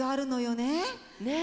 ねえ。